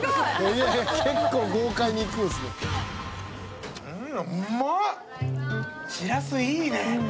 「結構豪快にいくんですね」